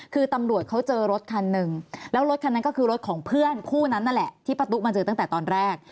คือตำรวจเขาเจอรถคันหนึ่งแล้วรถคันนั้นก็คือรถของเพื่อนคู่นั้นนั่นแหละที่ป้าตุ๊กมาเจอตั้งแต่ตอนแรก